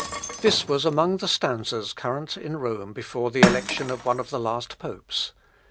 This was among the stanzas current in Rome before the election of one of the last popes.